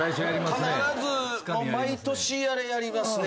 必ず毎年あれやりますね。